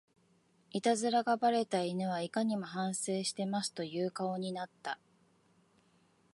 イタズラがバレた犬はいかにも反省してますという顔になった